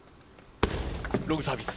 ロングサービス。